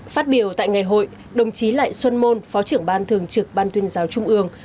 phát biểu tại ngày hội đồng chí lại xuân môn phó trưởng ban thường trực ban tuyên giáo trung ương